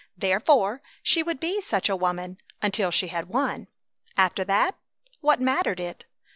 Therefore, she would be such a woman until she had won. After that? What mattered it?